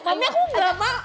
mami aku gak mau